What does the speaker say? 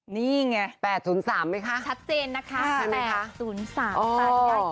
นี่ไงแปดศูนย์สามไหมคะชัดเจนนะคะแปดศูนย์สามตาดีได้